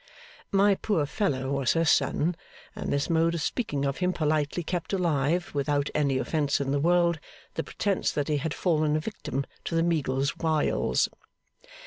My poor fellow was her son; and this mode of speaking of him politely kept alive, without any offence in the world, the pretence that he had fallen a victim to the Meagles' wiles.